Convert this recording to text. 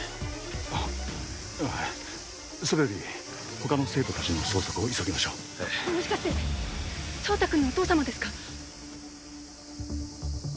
ああっそれより他の生徒達の捜索を急ぎましょうもしかして壮太君のお父様ですか？